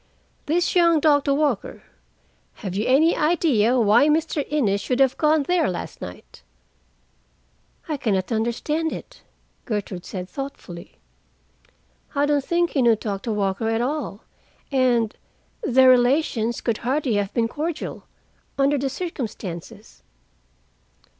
This young Doctor Walker—have you any idea why Mr. Innes should have gone there last night?" "I can not understand it," Gertrude said thoughtfully. "I don't think he knew Doctor Walker at all, and—their relations could hardly have been cordial, under the circumstances."